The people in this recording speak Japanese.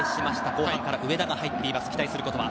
後半から上田が入っていますが期待することは？